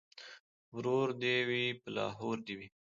ـ ورور دې وي په لاهور دې وي.